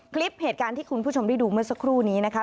คลิปเหตุการณ์ที่คุณผู้ชมได้ดูเมื่อสักครู่นี้นะคะ